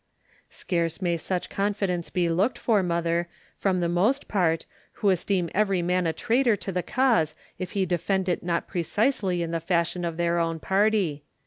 "Scarce may such confidence be looked for, mother, from the most part, who esteem every man a traitor to the cause if he defend it not precisely in the fashion of their own party.